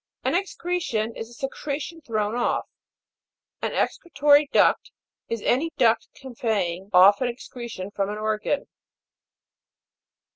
An excretion is a secretion thrown off. An excretory duct, is any duct conveying off an excretion from an organ.